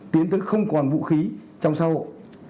tiến tới không còn vũ khí trong xã hội